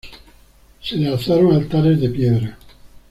Se le alzaron altares de piedra.